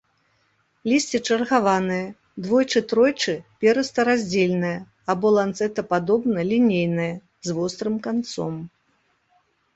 Лісце чаргаванае, двойчы-тройчы перыстараздзельнае або ланцэтападобна-лінейнае, з вострым канцом.